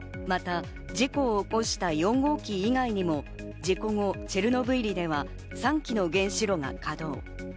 また事故を起こした４号機以外にも事故後、チェルノブイリでは３基の原子炉が稼働。